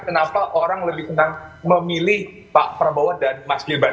kenapa orang lebih senang memilih pak prabowo dan mas gibran